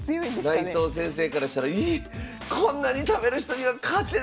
内藤先生からしたらこんなに食べる人には勝てないよ。